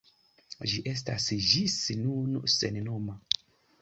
Ĝi estas ĝis nun sennoma.